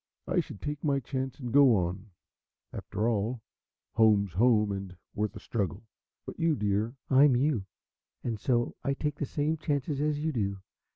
"I should take my chance and go on. After all home's home and worth a struggle. But you, dear " "I'm you, and so I take the same chances as you do.